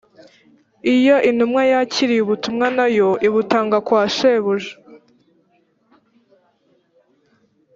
iyo intumwa yakiriye ubutumwa nayo ibutanga kwa shebuja